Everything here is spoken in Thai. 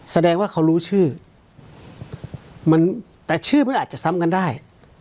แสดงว่าเขารู้ชื่อมันแต่ชื่อมันอาจจะซ้ำกันได้